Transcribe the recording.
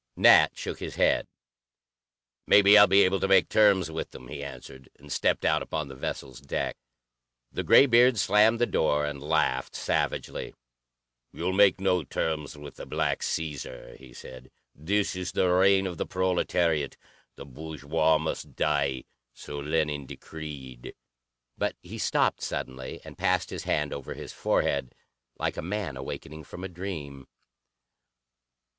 Nat shook his head. "Maybe I'll be able to make terms with him," he answered, and stepped out upon the vessel's deck. The graybeard slammed the door and laughed savagely. "You'll make no terms with the Black Caesar," he said. "This is the reign of the proletariat. The bourgeois must die! So Lenin decreed!" But he stopped suddenly and passed his hand over his forehead like a man awakening from a dream.